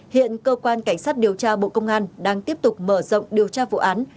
hiện cơ quan cảnh sát điều tra bộ công an đang tiếp tục mở rộng điều tra vụ án